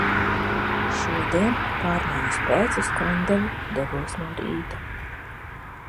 Šodien pārmaiņas pēc uz Kandavu devos no rīta.